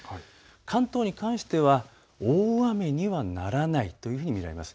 関東に関しては大雨にはならないというふうに見られます。